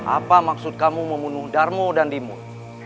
apa maksud kamu membunuh darmu dan limut